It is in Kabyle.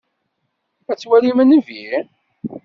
Ad twalim nnbi?